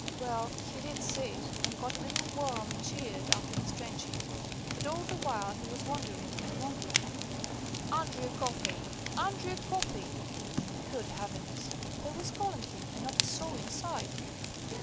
Well, he did sit, and got a little warm and cheered after his drenching. But all the while he was wondering and wondering. "Andrew Coffey! Andrew Coffey!" Good heavens! who was calling him, and not a soul in sight?